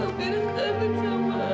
amirah kangen sama ayah